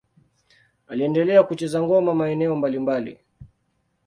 Aliendelea kucheza ngoma maeneo mbalimbali.